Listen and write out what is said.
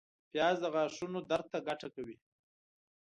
پیاز د غاښونو درد ته ګټه کوي